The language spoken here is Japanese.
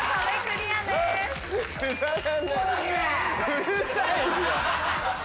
うるさいよ。